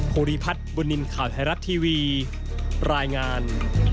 ภูริพัฒน์บุญนินทร์ข่าวไทยรัฐทีวีรายงาน